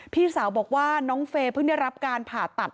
พี่สาวบอกว่าน้องเฟย์เพิ่งได้รับการผ่าตัด